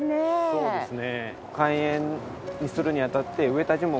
そうですね。